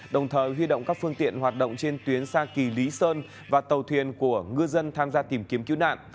đồng thời huy động các phương tiện hoạt động trên tuyến xa kỳ lý sơn và tàu thuyền của ngư dân tham gia tìm kiếm cứu nạn